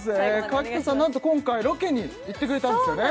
河北さん何と今回ロケに行ってくれたんですよね